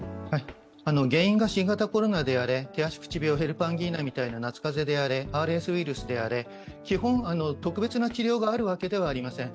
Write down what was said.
原因が新型コロナであれ、手足口病、ヘルパンギーナ、ＲＳウイルスであれ、基本、特別な治療があるわけではありません。